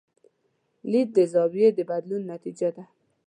لید د زاویې د بدلون نتیجه ده.